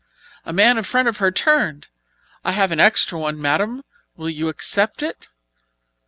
A man in front of her turned. "I have an extra one, madame. Will you accept it?"